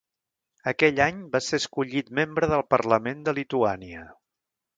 Aquell any va ser escollit membre del Parlament de Lituània.